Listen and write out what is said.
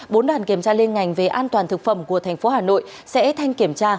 bốn đoàn kiểm tra liên ngành về an toàn thực phẩm của thành phố hà nội sẽ thanh kiểm tra